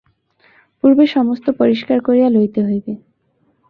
পূর্বে সমস্ত পরিস্কার করিয়া লইতে হইবে।